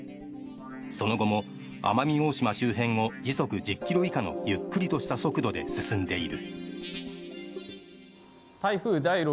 その後も奄美大島周辺を時速１０ｋｍ以下のゆっくりとした速度で進んでいる。